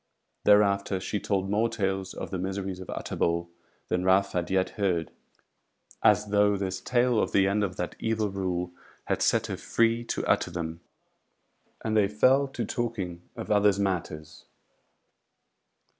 Thereafter she told more tales of the miseries of Utterbol than Ralph had yet heard, as though this tale of the end of that evil rule had set her free to utter them; and they fell to talking of others matters.